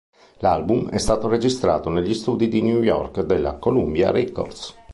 L'album è stato registrato negli studi di New York della Columbia Records.